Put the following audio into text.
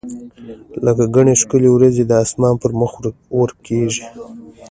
لکه ګڼي ښکلي وریځي د اسمان پر مخ ورکیږي